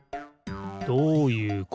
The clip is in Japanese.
どういうこと？